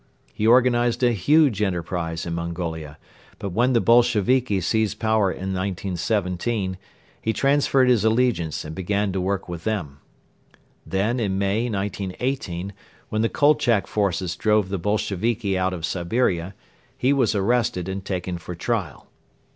He organized a huge enterprise in Mongolia but when the Bolsheviki seized power in 1917 he transferred his allegiance and began to work with them. Then in May, 1918, when the Kolchak forces drove the Bolsheviki out of Siberia, he was arrested and taken for trial.